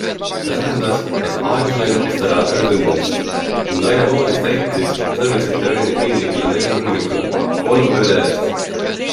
See tähendas, et aega tuli näpistada öötundidest, ning naine voolis, täitis ja sõrmitses pelmeene kinni kella neljani hommikul kolm ööd järjest.